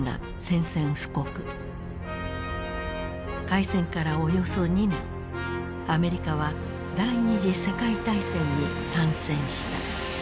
開戦からおよそ２年アメリカは第二次世界大戦に参戦した。